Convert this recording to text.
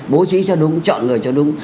bố trí cho đúng chọn người cho đúng